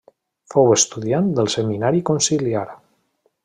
Fou estudiant del Seminari Conciliar.